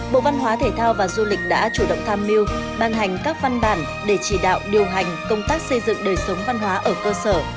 bộ văn hóa thể thao và du lịch đã chủ động tham mưu ban hành các văn bản để chỉ đạo điều hành công tác xây dựng đời sống văn hóa ở cơ sở